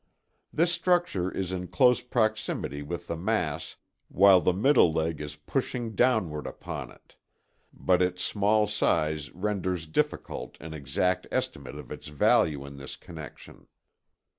This structure is in close proximity with the mass while the middle leg is pushing downward upon it, but its small size renders difficult an exact estimate of its value in this connection.